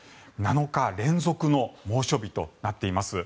７日連続の猛暑日となっています。